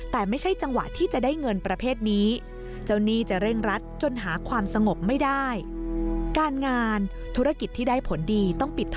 แต่ไม่ใช่จังหวะที่จะได้เงินประเภทนี้จะเร่งรัดจนหาความสงบไม่ได้ผลดี